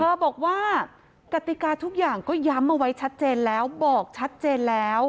บอกว่ากติกาทุกอย่างก็ย้ำเอาไว้ชัดเจนแล้วบอกชัดเจนแล้ว